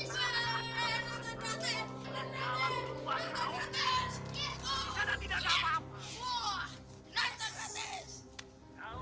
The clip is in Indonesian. sampai jumpa di video selanjutnya